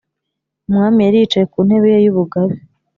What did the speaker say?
umwami yari yicaye ku ntebe ye y’ubugabe,